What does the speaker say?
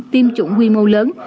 tiêm chủng huy mô lớn